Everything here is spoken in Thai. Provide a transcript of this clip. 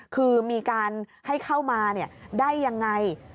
คือมีการให้เข้ามาได้ยังไง